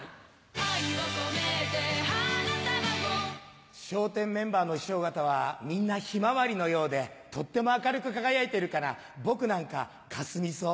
愛をこめて花束を笑点メンバーの師匠方はみんなヒマワリのようでとっても明るく輝いてるから僕なんかカスミソウ。